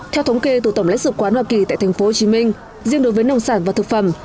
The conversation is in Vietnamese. theo thống kê từ tổng lãnh sự quán hoa kỳ tại tp hcm riêng đối với nông sản và thực phẩm